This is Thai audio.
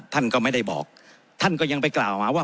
ท่านก็ไม่ได้บอกท่านก็ยังไปกล่าวหาว่า